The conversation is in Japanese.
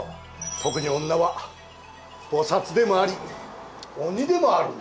特に女は菩薩でもあり鬼でもある。